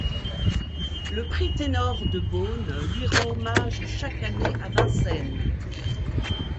Le Prix Ténor de Baune lui rend hommage chaque année à Vincennes.